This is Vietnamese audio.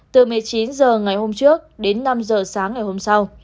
từ một mươi chín h ngày hôm trước đến năm h sáng ngày hôm sau